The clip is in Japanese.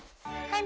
はい。